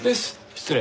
失礼。